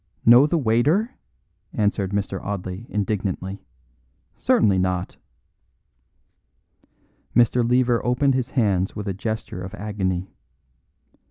"Know the waiter?" answered Mr. Audley indignantly. "Certainly not!" Mr. Lever opened his hands with a gesture of agony.